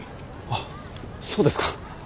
あっそうですか。